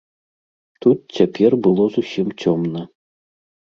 Тут цяпер было зусім цёмна.